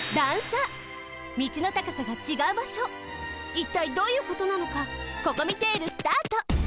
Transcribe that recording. いったいどういうことなのかココミテールスタート！